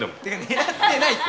狙ってないって